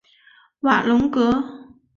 瓦龙格。